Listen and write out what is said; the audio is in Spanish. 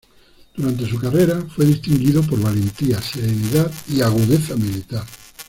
Durante su carrera fue distinguido por valentía, serenidad y agudeza militar.